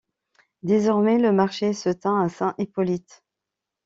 Désormais le marché se tint à Saint-Hippolyte.